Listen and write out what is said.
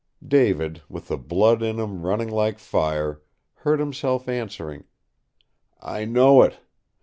David, with the blood in him running like fire, heard himself answering, "I know it.